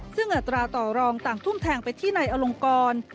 ซึ่งอัตราต่อรองต่างทุ่มแทงไปที่นายอลงกร